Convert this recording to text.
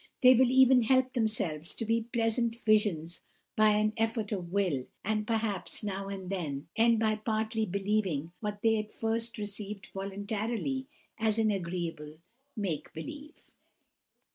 They will even help themselves into the pleasant visions by an effort of will; and perhaps, now and then, end by partly believing what they at first received voluntarily as an agreeable make believe.